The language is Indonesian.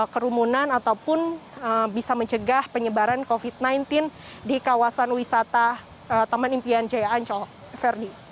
kerumunan ataupun bisa mencegah penyebaran covid sembilan belas di kawasan wisata taman impian jaya ancol ferdi